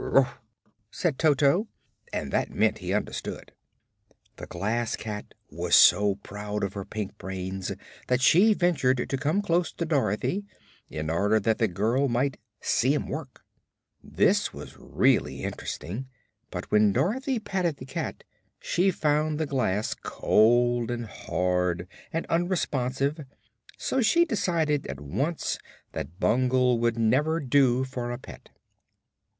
"Woof!" said Toto, and that meant he understood. The Glass Cat was so proud of her pink brains that she ventured to come close to Dorothy, in order that the girl might "see 'em work." This was really interesting, but when Dorothy patted the cat she found the glass cold and hard and unresponsive, so she decided at once that Bungle would never do for a pet.